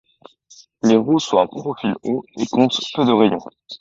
Les roues sont à profil haut et comptent peu de rayons.